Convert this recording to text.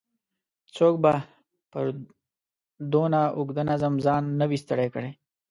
څوک به پر دونه اوږده نظم ځان نه وای ستړی کړی.